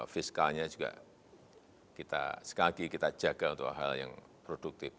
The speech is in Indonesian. fiskalnya juga kita sekali lagi kita jaga untuk hal hal yang produktif